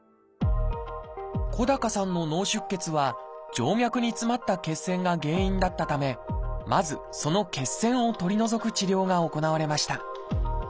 小高さんの脳出血は静脈に詰まった血栓が原因だったためまずその血栓を取り除く治療が行われました